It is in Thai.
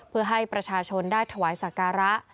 เพื่อให้ประชาชนได้ถวายสักการะ